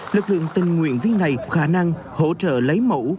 lực lượng tình nguyện viên này khả năng hỗ trợ lấy mẫu